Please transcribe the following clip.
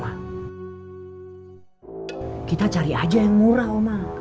bang saya mau cari yang murah oma